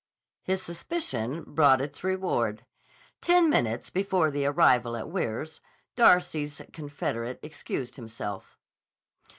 His suspicion brought its reward. Ten minutes before the arrival at Weirs, Darcy's confederate excused himself.